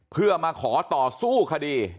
เพื่อมาขอต่อสู้คดี